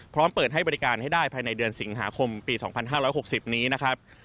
เปิดให้บริการให้ได้ภายในเดือนสิงหาคมปี๒๕๖๐นี้นะครับ